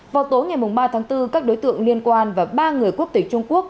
vào tối ngày ba tháng bốn các đối tượng liên quan và ba người quốc tịch trung quốc